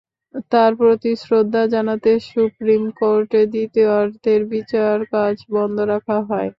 তাঁর প্রতি শ্রদ্ধা জানাতে সুপ্রিম কোর্টে দ্বিতীয়ার্ধের বিচারকাজ বন্ধ রাখা হয়।